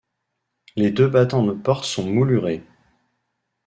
Les deux battants de porte sont moulurés.